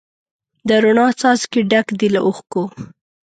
د روڼا څاڅکي ډک دي له اوښکو